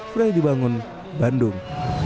fre dibangun bandung